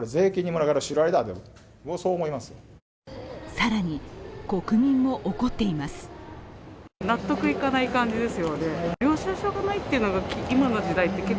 更に国民も怒っています。